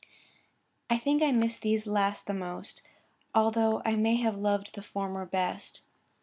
I think I miss these last the most, although I may have loved the former best.